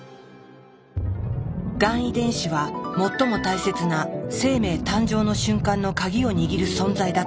がん遺伝子は最も大切な生命誕生の瞬間のカギを握る存在だったのだ。